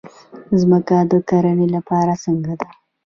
ځمکه د کرنې لپاره څنګه ده؟